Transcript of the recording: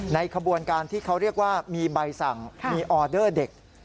ขบวนการที่เขาเรียกว่ามีใบสั่งมีออเดอร์เด็ก